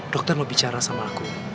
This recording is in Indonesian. dokter mau bicara sama aku